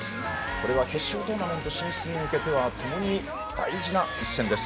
これは決勝トーナメントへの進出へ向けてともに大事な一戦です。